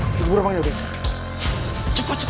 tau lo main gauk gaukan aja lo